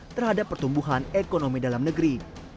terhadap pertumbuhan ekonomi dalam negeri